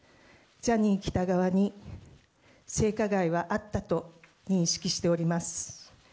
個人といたしましても、ジャニー喜多川に性加害はあったと認識しております。